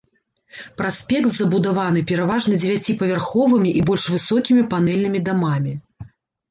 Праспект забудаваны пераважна дзевяціпавярховымі і больш высокімі панэльнымі дамамі.